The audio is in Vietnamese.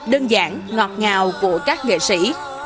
đơn giản ngọt ngào của các nghệ sĩ